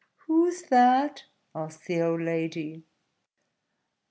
"Who's that?" asked the old lady.